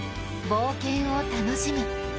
冒険を楽しむ。